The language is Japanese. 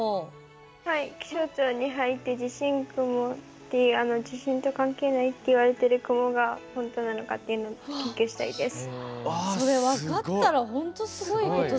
はい、気象庁に入って地震雲という地震と関係ないっていわれている雲が本当なのか研究したいです。